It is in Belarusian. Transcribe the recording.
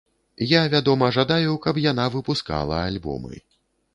Я, вядома, жадаю, каб яна выпускала альбомы.